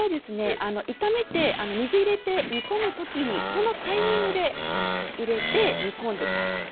炒めて水を入れて煮込む時そのタイミングで入れて煮込んでください。